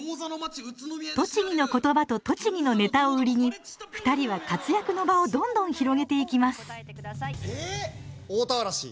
栃木の言葉と栃木のネタを売りに２人は活躍の場をどんどん広げていきます大田原市。